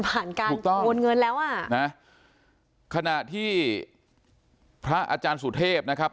ผ่านการโดนเงินแล้วอ่ะถูกต้องนะขณะที่พระอาจารย์สุเทพนะครับ